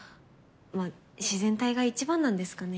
まあ自然体が一番なんですかね。